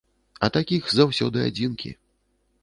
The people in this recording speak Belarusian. А такіх заўсёды адзінкі.